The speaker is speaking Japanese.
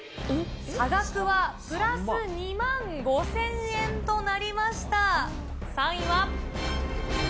差額はプラス２万５０００円となりました。